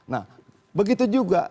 nah begitu juga